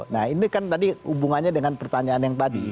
nah ini kan tadi hubungannya dengan pertanyaan yang tadi